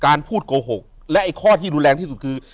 การพูดโกหกและไอ้ข้อที่รุนแรงที่สุดคือ